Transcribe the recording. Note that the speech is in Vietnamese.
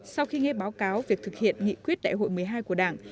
sau khi nghe báo cáo việc thực hiện nghị quyết đại hội một mươi hai của đảng